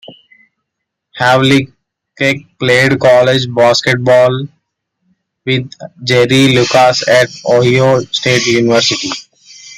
Havlicek played college basketball with Jerry Lucas at Ohio State University.